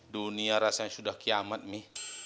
dunia rasanya sudah kiamat nih